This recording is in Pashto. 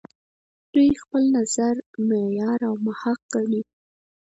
دوی خپل نظر معیار او محک ګڼي.